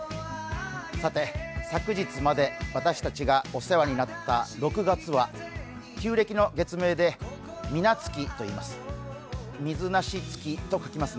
さて、昨日まで私たちがお世話になった６月は旧暦の月名で水無月といいます。